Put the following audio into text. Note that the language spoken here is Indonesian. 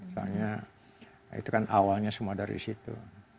soalnya itu kan awalnya semua dari situ